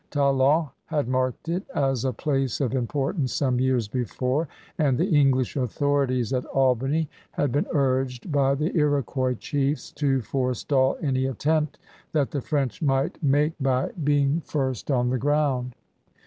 Talon had marked it as a place of importance some years before, and the English authorities at Albany had been urged by the LxK^uois chiefs to forestall any attempt that the French might make by being 86 CRUSADERS OF NEW FRANCE first on the ground.